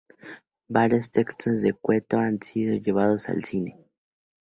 Varios textos de Cueto han sido llevados al cine.